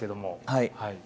はい。